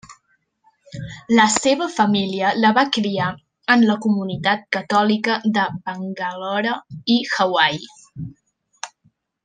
La seva família la va criar en la comunitat catòlica de Bangalore i Hawaii.